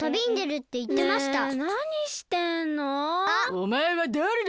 おまえはだれだ？